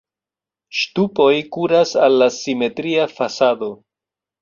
Ŝtupoj kuras al la simetria fasado.